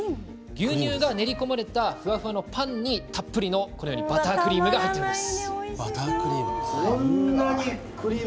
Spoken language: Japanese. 牛乳が練り込まれたふわふわのパンにたっぷりのバタークリームが入っているんです。